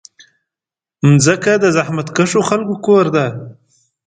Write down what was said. مځکه د زحمتکښو خلکو کور ده.